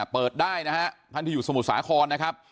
เปิดได้นะฮะท่านที่อยู่สมุทรสาครนะครับ